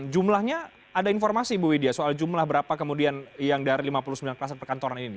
jumlahnya ada informasi bu widia soal jumlah berapa kemudian yang dari lima puluh sembilan kluster perkantoran ini